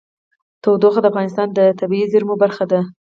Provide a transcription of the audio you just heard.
تودوخه د افغانستان د طبیعي زیرمو برخه ده.